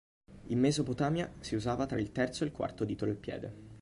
In Mesopotamia si usava tra il terzo e il quarto dito del piede.